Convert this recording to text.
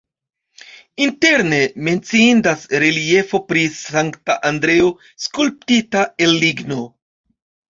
Interne menciindas reliefo pri Sankta Andreo skulptita el ligno.